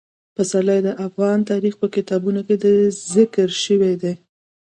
پسرلی د افغان تاریخ په کتابونو کې ذکر شوی دي.